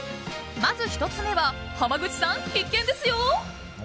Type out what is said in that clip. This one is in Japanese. まず１つ目は濱口さん、必見ですよ！